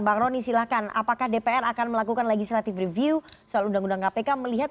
bang roni silahkan apakah dpr akan melakukan legislative review soal undang undang kpk melihat